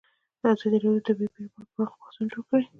ازادي راډیو د طبیعي پېښې په اړه پراخ بحثونه جوړ کړي.